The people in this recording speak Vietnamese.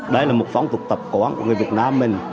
đây là một phóng tục tập của người việt nam mình